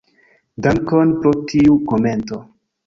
Dankon pro tiu komento.